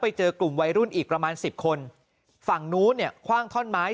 ไปเจอกลุ่มวัยรุ่นอีกประมาณสิบคนฝั่งนู้นเนี่ยคว่างท่อนไม้